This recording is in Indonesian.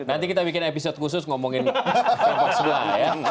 nanti kita bikin episode khusus ngomongin ke pak semua ya